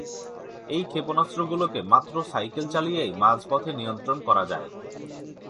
এই ক্ষেপণাস্ত্রগুলোকে মাত্র সাইকেল চালিয়েই মাঝ পথে নিয়ন্ত্রণ করা যায়।